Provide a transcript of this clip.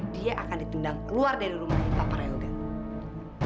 dia akan ditundang keluar dari rumah papa rehogan